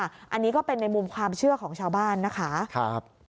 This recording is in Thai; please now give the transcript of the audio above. อันนี้ก็เป็นในมุมความเชื่อของชาวบ้านนะคะ